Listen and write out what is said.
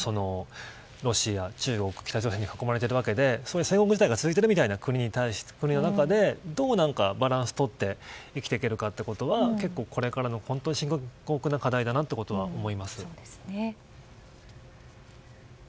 ロシア、中国、北朝鮮に囲まれているわけで戦国時代が続いているみたいな国の中でどうバランスをとって生きていけるかということはこれからの深刻な課題だなと思います。